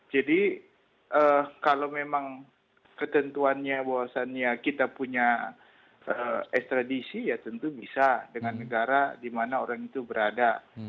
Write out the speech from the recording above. jadi kalau memang ketentuannya bahwasannya kita punya ekstradisi ya tentu bisa dengan negara di mana orang itu berada